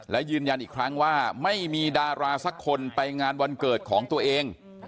และยืนยันอีกครั้งว่าไม่มีดาราสักคนไปงานวันเกิดของตัวเอง